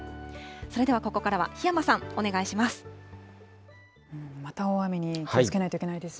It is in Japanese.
それではここからは檜山さん、お願いします。